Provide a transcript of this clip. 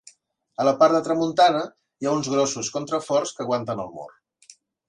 A la part de tramuntana hi ha uns grossos contraforts que aguanten el mur.